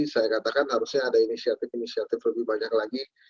saya katakan harusnya ada inisiatif inisiatif lebih banyak lagi